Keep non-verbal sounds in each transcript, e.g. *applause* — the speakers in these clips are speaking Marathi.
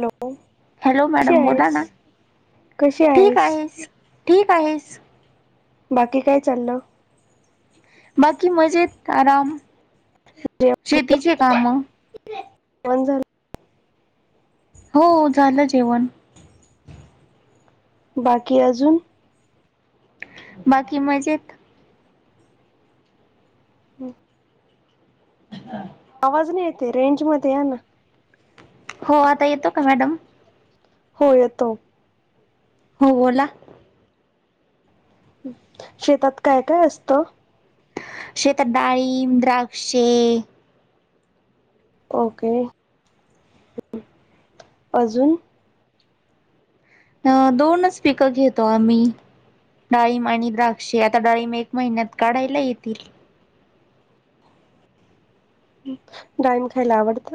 हॅलो हॅलो कशी मॅडम बोला आहेस ना? ठीक आहेस, ठीक आहेस. बाकी काय चाललं? बाकी मजेत, आराम शेतीचे काम, जेवण झालं? हो झालं जेवण. बाकी अजून. बाकी मजेत. *unintelligible* आवाज नाही येत हे रेंज मध्ये या ना. हो आता येतो का मॅडम. हो येतो हो बोला? शेतात काय काय असत? शेतात डाळिंब द्राक्षे. ओके अजून. अ दोनच पिकं घेतो आम्ही डाळम आणि द्राक्षे आता डाळळीम एक महिन्यात काढायला येतील. गडायम खायला आवडत.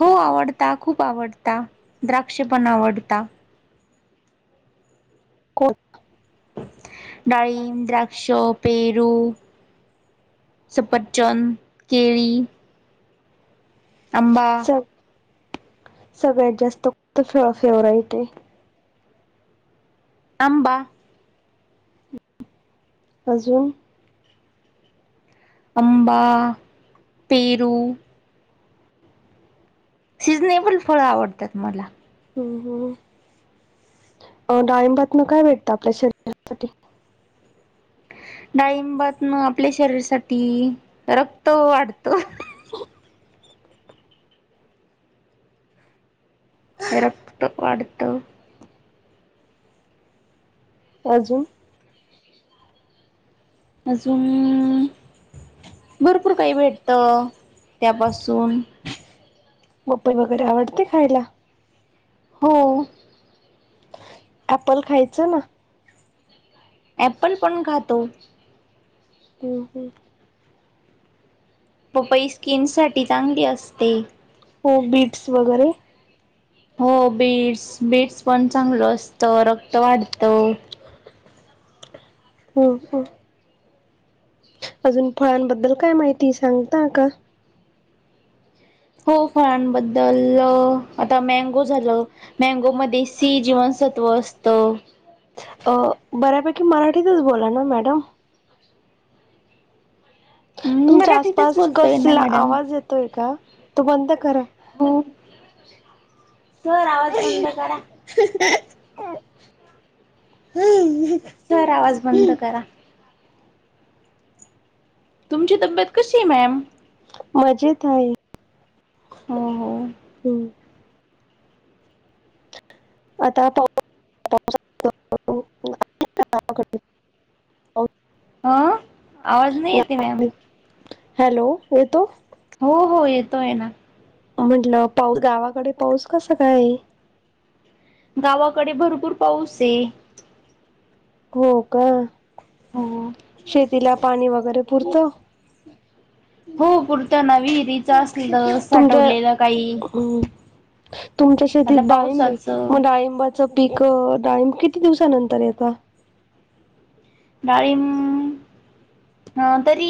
हो आवडता खूप आवडता द्राक्ष पण आवडत. कुठ? डळीम, द्राक्ष, पेरू सपरचंद, केळी आंबा स सगळ्यात जास्त फळ फेवरा येते. आंबा अजून अंबा, पेरू शीजनेबल फळं आवडतात मला हम् हम् अ डाळंबात ना काय भेटतं आपल्या शरीरासाठी डाळिंबातन आपल्या शरीरासाठी रक्त वाढत. *unintelligible* ररक्त अडत. अजून अजून भरपूर काही भेटत त्यापासून बप्पई वगैरे आवडते खायला हो. अॅप्पल खायचं ना. प्पल पण खातो. हो हो. पपई स्किन साठी चांगली असते. हो बीट्स वगेरे हो बीट्स बीट्स पण चांगलं असतं रक्त वाढत. हो हो. अजून फळांबद्दल काय माहिती सांगता का? हो फळांबद्दल अ आता मँगो झालं. मँगोमध्येध्ये सी जीवनसत्त्व असतं. अ बऱ्यापैकी मराठीतच बोला ना मॅडम तुमच्या मराठीतच आसपास बोलतोय ना कसला मॅडम. आवाज येतोय का तो बंद करा. हो स आवाज बंद करा. *unintelligible* *unintelligible* सर आवाज बंद करा. तुमची तब्येत कशी आहे मॅम मजेत हाय. हो हो. हम. आता पा पा. आ आवाज नाई येतेय मॅम हॅलो येतोय. हो हो येतोय ना. आता पाऊ गावाकडे पाऊस कसा काय? गावाकडे भरपूर पाऊस आहे. हो का हो. शेतीला पाणी वगैरे पुरतं. हो पुरतं नवीरीच असलं तुमच्या साठवलेलं काही हम्म तुमच्या आता शेतीत डाळंबे मग पावसाचं डाळिंब पीक डाम किती दिवसानंतर येत. डाळींम ह तरी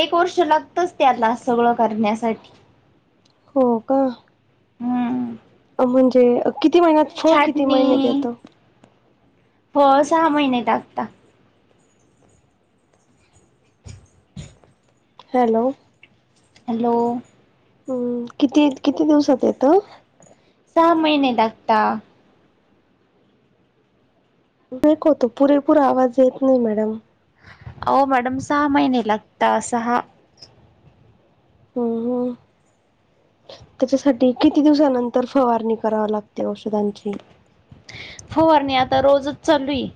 एक वर्ष लागतच त्याला सगळं करण्यासाठी. हो का. हूं! म्हनजे किती महिन्यात, फळ किती महिन्यात छाटणी येतं. फळ सहा महिन्यात आता. हॅलो! हॅलो! हूं किती, किती दिवसात येतं. सहा महिने लागता. ब्रेक होतो पुरेपूर, आवाज येत नही मॅडम. आओ मॅडम सहा महीने, लागता साहा. हूं हूं! त्याच्यासाठी किती दिवसानंतर फवारणी, करावी लागते औषधांची फवारणी, आता रोजच चालूय.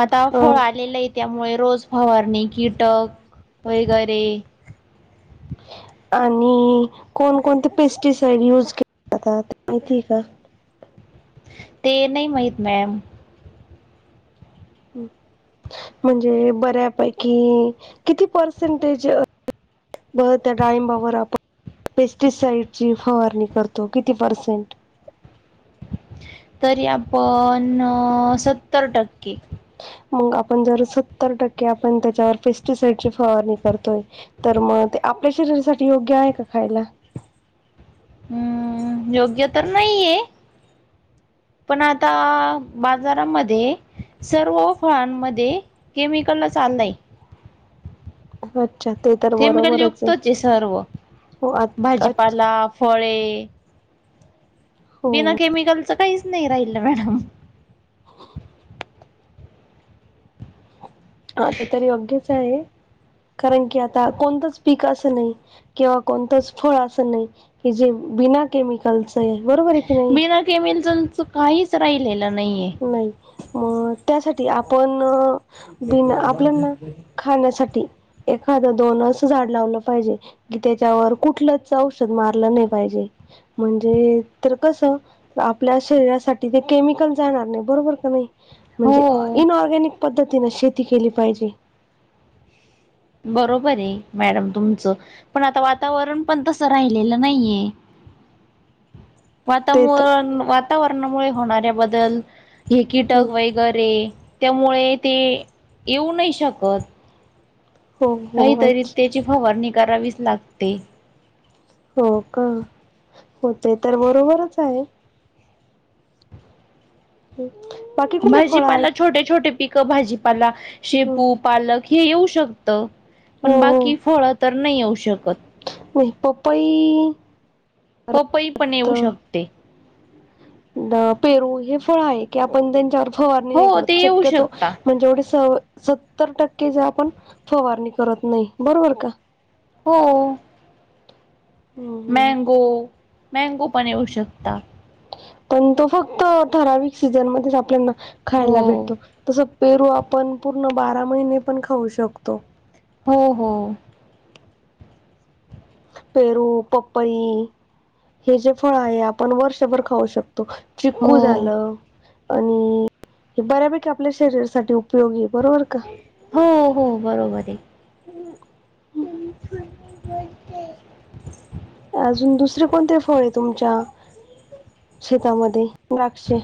आता अ फळ आलेलं आहे, त्यामुळे रोज फवारणी कीटक वगैरे. आणि कोणकोणते पेस्टिसाईड यूज केले जातात *unintelligible* माहिती का? ते नई माइत मॅम. म्हणजे बऱ्यापैकी किती पर्सेंटेज व त्यां डांळीबावर आपण पेस्टिसाइडची, फवारणी करतो किती पर्सेंट. तरी आपण अ सत्तर टक्के. मग आपण जर सत्तर टक्के, आपण त्याच्यावर पेस्टिसाईड ची फवारणी करतोय. तर म ते आपल्या शरीरासाठी योग्य आहे का खायला? हूं योग्य तर नाहीये. पण आता आ बाजारामदे सर्व फळांमदे केमिकल चाललय. रोजच्या केमिकल युक्तचये सर्व हो आ भाजीपाला, फळे. हो बिना केमिकलचं काहीच नाही राहिल मॅडम. हा ते तर योग्यच आहे, कारण की आता कोणतंच पीक असं नाही. किंवा कोणतंच फळ असं नाही, की जे बिना केमिकलच आहे, बरोबर हे की नाही. केमेलचं च काहीच राहिलेलं नाहीये. नाही म त्यासाठी आपण बीन आपल्या ना. खाण्यासाठी एखादं दोन असं झाड लावलं पाहिजे. कि त्याच्यावर कुठलंच औषध मारलं नाही पाहिजे. म्हणजे तर कस, आपल्या शरीरासाठी ते केमिकल जाणार नाही बरोबर का नाही, म्हणजे हो इनऑर्गॅनिक पद्धतीने शेती केली पाहिजे. बरोबर आहे मॅडम तुमचं, पण आता वातावरण पण तसं राहिलेलं नाहीये. ते तर वातामूळ वातावरणामुळे होणाऱ्या बदल हे हम्म. कीटक वै गैरे त्यामुळे ते येऊ नाही शकत. हो हो काहीतरी अच्छ त्याची फवारणी करावीच लागते. हो का हो ते तर बरोबरच आहे. *inaudible* फळ आहे भाजीपाला, छोटे, छोटे पिकं भाजीपाला. हो शेपू, पालक, हे येऊ शकत पण बाकी फळं तर नाही येऊ शकत. व्हयं पप्पई. पपई पण येऊ शकते. पेरू हे फळ आहे की आपण त्यांच्यावर. फवारणी नही हो ते करत, येऊ शक्यतो शकता म्हणजे एवढी स सत्तर टक्के ज आपण फवारणी करत नाही बरोबर का? होय. हम्म मँगो, मँगो पण येऊ शकता. पण तो फक्त ठराविक सीझनमध्येच आपल्याना हो खायला भेटतो. तसं पेरू आपण पूर्ण बारा महिने पण खाऊ शकतो. हो हो. पेरू, पपई हे जे फळ आहे आपण वर्षभर खाऊ शकतो. हो चिकू झालं आणि हे बऱ्यापैकी आपल्या शरीरासाठी उपयोगीये. बरोबर का? हो हो बरोबर आहे. *unintelligible* *unintelligible* अजून दुसरे कोणते फळे तुमच्या शेतामध्ये? द्राक्षे,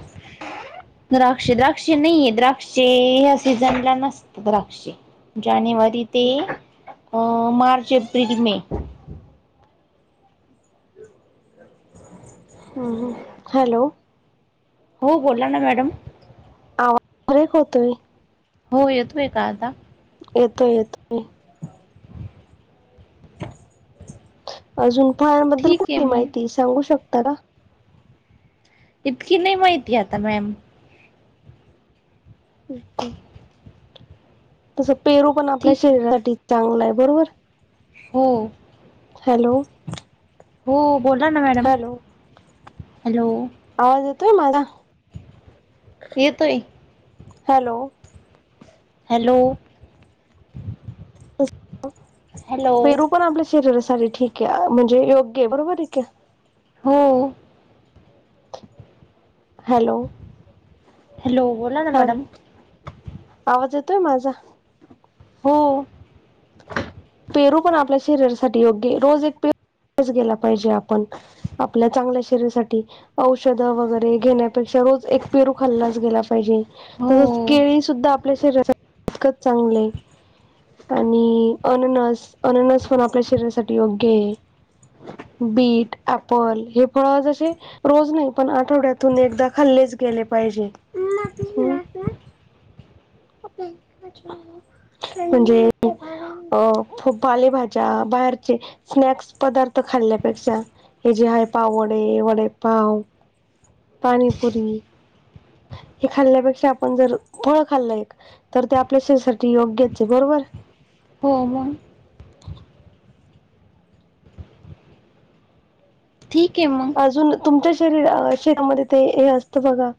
द्राक्ष द्राक्ष नाहीये. द्राक्षे ह्या सीझनला नसता द्राक्षे. जानेवारी ते अं मार्च, एप्रिल, मे. हं हं. हॅलो, हो बोला ना मॅडम. आवाज ब्रेक होतोय. हो, येतोय का आता? येतोय येत अजून फळांबद्दल ठीक आहे कुठली मग माहिती सांगू शकता का? तितकी नाही माहिती आता मॅम. ओके. तसं पेरू पण आपल्या ठीक आहे शरीरासाठी चांगलं आहे. बरोबर? हो. हॅलो, हो बोला ना मॅडम. हॅलो हॅलो, आवाज येतोय माझा? येतोय. हॅलो, हॅलो, हॅलो पेरू पण आपल्या शरीरासाठी ठीके, म्हणजे योग्य आहे. बरोबर आहे का? हो. हॅलो, हॅलो, बोला ना मॅडम. हॅलो आवाज येतोय माझा? हो. पेरू पण आपल्या शरीरासाठी योग्यये. रोज एक पेरू खाल्ला गेला पाहिजे. आपण आपल्या चांगल्या शरीरासाठी. औषधं वगैरे घेण्यापेक्षा रोज एक पेरू खाल्लाच गेला पाहिजे. हो तसच केळी सुद्धा आपल्या शरीरासाठी इतकंच चांगलं आहे. आणि अननस. अननस पण आपल्या शरीरासाठी योग्य आहे. बीट, ॲपल हे फळ जशे रोज नाही, पण आठवड्यातून एकदा खल्लेच गेले पाहिजे. म्हणजे, अ फ पालेभाज्या, बाहेरचे स्नॅक्स पदार्थ खाल्ल्यापेक्षा. हे जे आहे पाव वडे, वडेपाव, पाणीपुरी, हे खाल्ल्यापेक्षा आपण जर फळ खाल्ल एक तर ते आपल्या शरीरसाठी योग्यच आहे. बरोबर? हो मग. ठीके मग. अजून तुमच्या शरीर आ शेतामध्ये ते हे असतं बघा.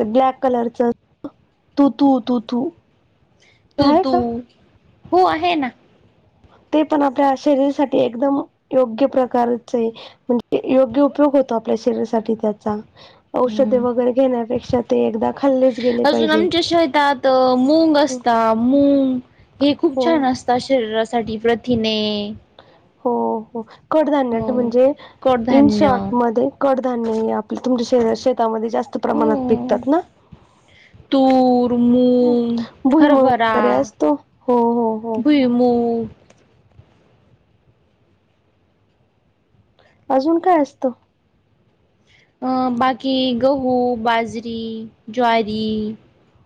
ब्लॅक कलरच तुथू तुथू तुतू हो आहे ना, ते पण आपल्या शरीरासाठी एकदम योग्य प्रकारच ये. म्हणजे योग्य उपयोग होतो आपल्या शरीरासाठी त्याचा औषधे हम्म. वगैरे घेण्यापेक्षा ते एकदा खाल्ले अजून आमच्या शेतात मूंग असत मूंग हे खूप हो छान असत. शरीरासाठी प्रथिने हो हो कडधान्य हो म्हणजे कडधान्य इंशॉट मध्ये कडधान्य आपले तुमच्या शेतामध्ये जास्त हो प्रमाणात पिकतात ना. तूर, मूग, भुईमूग हरभरा, वगैरे असतो हो हो हो भुई मूग अजून काय असतं. अ बाकी गहू, बाजरी, ज्वारी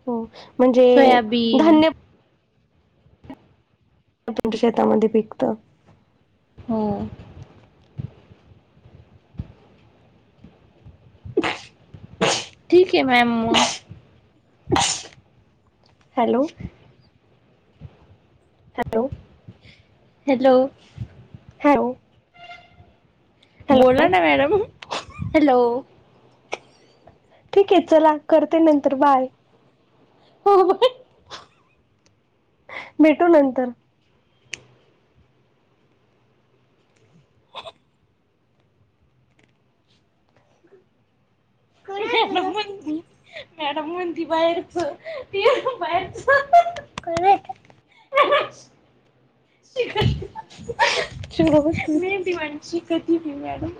हो म्हणजे सोयाबीन धान्य. त्याच्या शेतामध्ये पिकतं. हो ठीक आहे मॅम मग हॅलो हॅलो. हॅलो. हाय ओ. बोला ना मॅडम हॅलो ठीक आहे चला करते नंतर बाय हो भेटो नंतर कर *unintelligible* मॅडम म्हण ती बाहेरच त बाहेरच शुभ मेंडी वाणी शिकती ती मॅडम